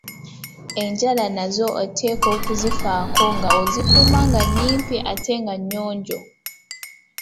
Enjala nazo oteekwa okuzifaako nga ozikuuma nga nnyimpi ate nga nnyonjo.